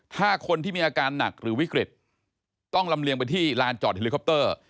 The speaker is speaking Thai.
ถ้าคนที่มีอาการหนักหรือวิกฤตต้องลำเลียงไปที่ลานจอดเฮลิคอปเตอร์